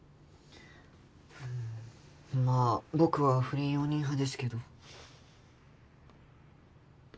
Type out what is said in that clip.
まぁ僕は不倫容認派ですけど。